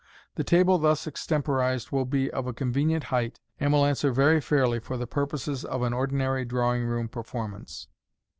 The table thus extem porized will be of a convenient height, and will answer very fairly for the purposes of an ordinary drawing room performance.